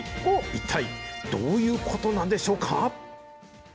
一体どういうことなんでしょうか？